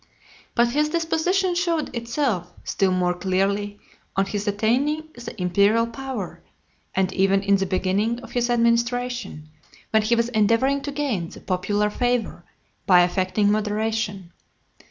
But his disposition shewed itself still more clearly on his attaining the imperial power, and even in the beginning of his administration, when he was endeavouring to gain the popular favour, by affecting moderation.